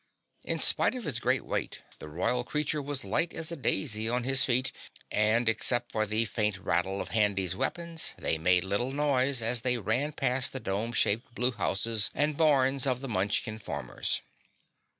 In spite of his great weight, the Royal creature was light as a daisy on his feet, and except for the faint rattle of Handy's weapons they made little noise as they ran past the dome shaped blue houses and barns of the Munchkin farmers.